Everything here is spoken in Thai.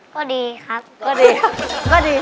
ก็ดีครับ